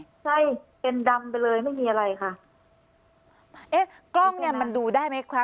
ใช่เอ็นดำไปเลยไม่มีอะไรค่ะเอ๊ะกล้องเนี้ยมันดูได้ไหมคะ